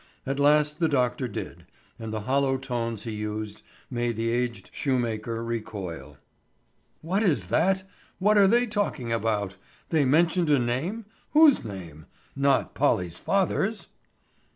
At last the doctor did, and the hollow tones he used made the aged shoemaker recoil. "What is that? What are they talking about? They mentioned a name? Whose name? Not Polly's father's?"